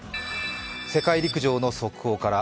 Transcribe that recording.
世界陸上の速報から。